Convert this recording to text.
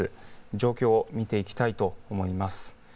状況を見ていきたいと思います。